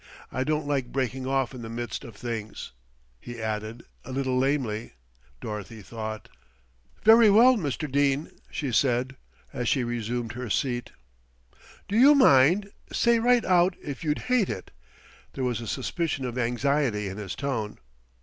I don't like breaking off in the midst of things," he added, a little lamely, Dorothy thought. "Very well, Mr. Dene," she said, as she resumed her seat. "Do you mind? Say right out if you'd hate it." There was a suspicion of anxiety in his tone.